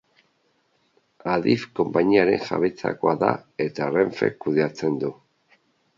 Adif konpainiaren jabetzakoa da eta Renfek kudeatzen du.